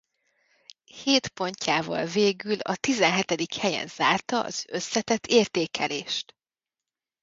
Hét pontjával végül a tizenhetedik helyen zárta az összetett értékelést.